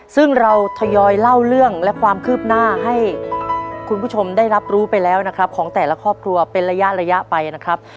ซึ่งเราทยอยเล่าเรื่องและความคืบหน้าให้คุณผู้ชมได้รับรู้ไปแล้วนะครับของแต่ละครอบครัวเป็นระยะระยะไปนะครับ